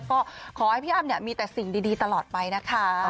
ก็ขอให้พี่อ้ำมีแต่สิ่งดีตลอดไปนะคะ